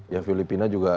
ya filipina juga tidak